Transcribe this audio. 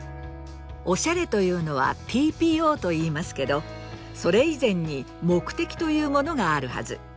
お洒落というのはＴＰＯと言いますけどそれ以前に目的というものがあるはず。